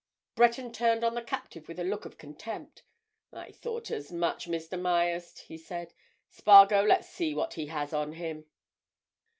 Breton turned on the captive with a look of contempt. "I thought as much, Mr. Myerst," he said. "Spargo, let's see what he has on him."